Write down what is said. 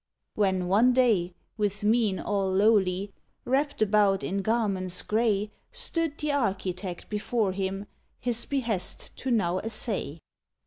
When, one day, with mien all lowly, Wrapped about in garments gray, Stood the architect before him, His behest to now essay.